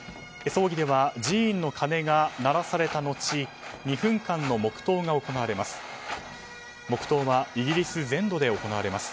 葬儀では寺院の鐘が鳴らされた後２分間の黙祷が行われます。